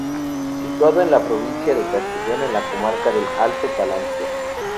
Situado en la provincia de Castellón en la comarca del Alto Palancia.